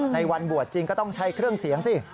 ในวันบวชจริงก็ต้องใช้เครื่องเสียงสิ